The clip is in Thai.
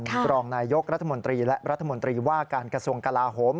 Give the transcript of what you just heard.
รองนายยกรัฐมนตรีและรัฐมนตรีว่าการกระทรวงกลาโหม